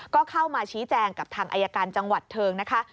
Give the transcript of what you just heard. ก็เข้ามาชี้แจงกับทางอายการจังหวัดเทิงนะคะ